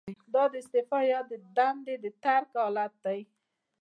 دا د استعفا یا دندې د ترک حالت دی.